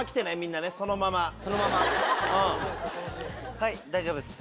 はい大丈夫っす。